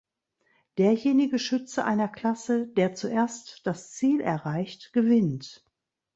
Derjenige Schütze einer Klasse, der zuerst das Ziel erreicht, gewinnt.